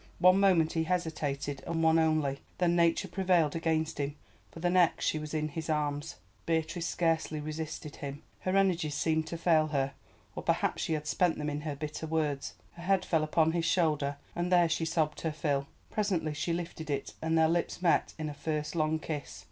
One moment he hesitated and one only; then Nature prevailed against him, for the next she was in his arms. Beatrice scarcely resisted him. Her energies seemed to fail her, or perhaps she had spent them in her bitter words. Her head fell upon his shoulder, and there she sobbed her fill. Presently she lifted it and their lips met in a first long kiss.